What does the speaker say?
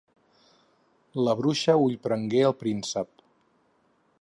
La bruixa ullprengué el príncep.